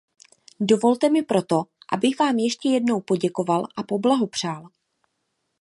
Dovolte mi proto, abych vám ještě jednou poděkoval a poblahopřál.